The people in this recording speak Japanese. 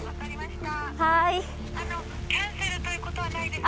はい。